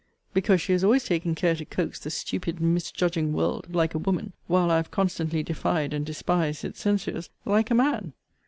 Because she has always taken care to coax the stupid misjudging world, like a woman: while I have constantly defied and despised its censures, like a man.